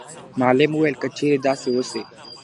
معلم وویل که چیري داسي وسي .